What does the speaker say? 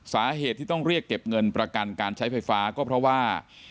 สาเหตุที่ต้องเรียกเก็บเงินประกันการใช้ไฟฟ้าก็เพราะว่า